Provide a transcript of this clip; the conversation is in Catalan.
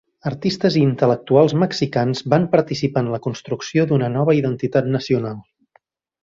Artistes i intel·lectuals mexicans van participar en la construcció d'una nova identitat nacional.